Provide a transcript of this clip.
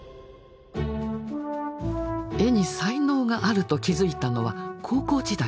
絵に才能があると気付いたのは高校時代でした。